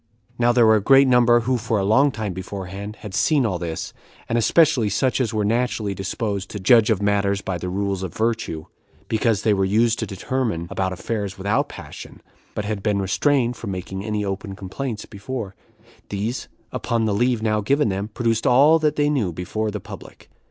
Now there were a great number who for a long time beforehand had seen all this, and especially such as were naturally disposed to judge of matters by the rules of virtue, because they were used to determine about affairs without passion, but had been restrained from making any open complaints before; these, upon the leave now given them, produced all that they knew before the public.